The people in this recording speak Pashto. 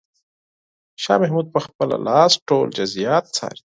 شاه محمود په خپله لاس ټول جزئیات څاري.